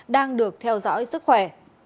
đang được theo dõi sức khỏe